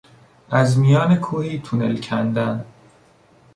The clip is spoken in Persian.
از میان کوهی تونل کندن